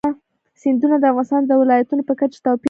سیندونه د افغانستان د ولایاتو په کچه توپیر لري.